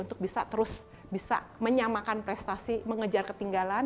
untuk bisa terus bisa menyamakan prestasi mengejar ketinggalan